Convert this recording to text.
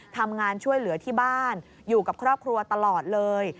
ทำงานช่วยเหลือที่บ้านอยู่กับครอบครัวตลอดเลย